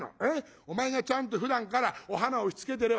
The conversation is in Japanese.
お前がちゃんとふだんからお花をしつけてれば」。